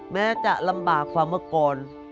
แม้จะลำบากกว่าเมื่อก่อน